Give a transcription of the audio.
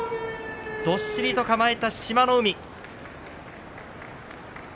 どっしりと構えた志摩ノ海。